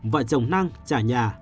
vợ chồng năng trả nhà